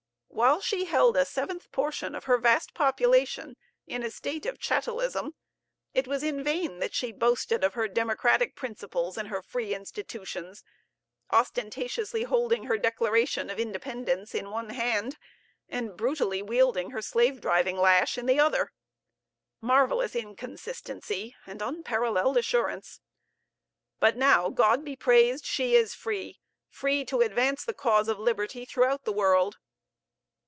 While she held a seventh portion of her vast population in a state of chattelism, it was in vain that she boasted of her democratic principles and her free institutions; ostentatiously holding her Declaration of Independence in one hand, and brutally wielding her slave driving lash in the other. Marvellous inconsistency and unparalleled assurance. But now, God be praised, she is free, free to advance the cause of liberty throughout the world.